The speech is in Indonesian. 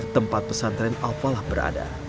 tempat pesantren al falah berada